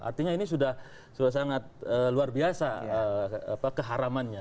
artinya ini sudah sangat luar biasa keharamannya